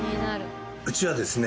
うちはですね